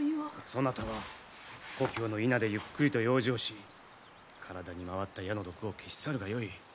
そなたは故郷の伊那でゆっくりと養生し体に回った矢の毒を消し去るがよい。